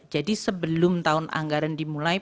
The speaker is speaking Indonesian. jadi sebelum tahun anggaran dimulai